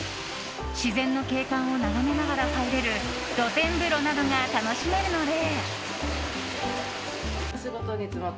自然の景観を眺めながら入れる露天風呂などが楽しめるので。